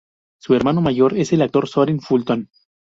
Su hermano mayor es el actor Soren Fulton.